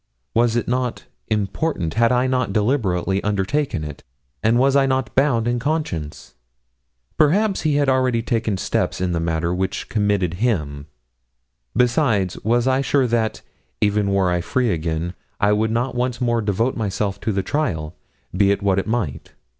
Was it not important had I not deliberately undertaken it and was I not bound in conscience? Perhaps he had already taken steps in the matter which committed him. Besides, was I sure that, even were I free again, I would not once more devote myself to the trial, be it what it might?